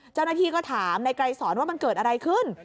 เจ้าหน้าที่ก็ถามนายไกรสอนว่ามันเกิดอะไรขึ้น